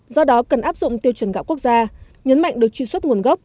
do đó cần áp dụng tiêu chuẩn gạo quốc gia nhấn mạnh được truy xuất nguồn gốc